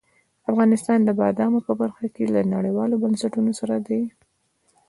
افغانستان د بادامو په برخه کې له نړیوالو بنسټونو سره دی.